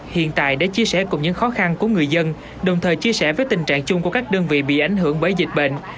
hiện tại để chia sẻ cùng những khó khăn của người dân đồng thời chia sẻ với tình trạng chung của các đơn vị bị ảnh hưởng bởi dịch bệnh